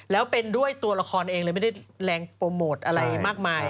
แล้วเป็นด้วยตัวละครเองเลยไม่ได้แรงโปรโมทอะไรมากมาย